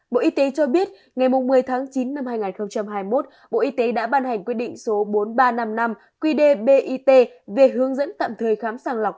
bộ y tế cho biết ngày một mươi tháng chín năm hai nghìn hai mươi một bộ y tế đã ban hành quyết định số bốn nghìn ba trăm năm mươi năm qdbit về hướng dẫn tạm thời khám sàng lọc